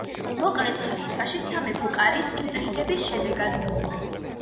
მოკლეს ხათუსაში სამეფო კარის ინტრიგების შედეგად.